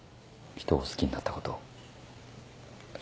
ひとを好きになったこと。